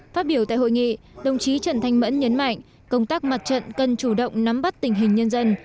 phát biểu tại hội nghị đồng chí trần thanh mẫn nhấn mạnh công tác mặt trận cần chủ động nắm bắt tình hình nhân dân